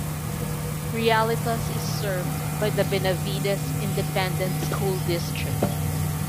Realitos is served by the Benavides Independent School District.